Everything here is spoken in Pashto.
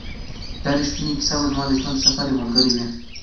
دا ریښتینې کیسه به زما د ژوند د سفر یو ملګری وي.